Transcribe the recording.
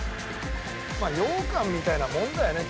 まあ羊かんみたいなもんだよね